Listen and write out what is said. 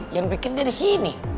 yan bikin dia di sini